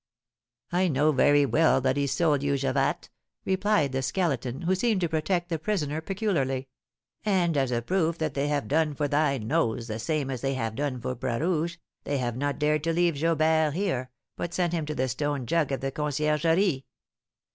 "I know very well that he sold you, Javatte," replied the Skeleton, who seemed to protect the prisoner peculiarly; "and as a proof that they have done for thy nose the same as they have done for Bras Rouge, they have not dared to leave Jobert here, but sent him to the stone jug of the Conciergerie.